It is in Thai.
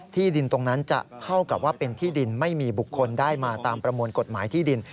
ที่ดินตรงนั้นจะเท่ากับว่าเป็นที่ดินไม่มีบุคคลได้มาตามประมวลกฎหมายที่ดิน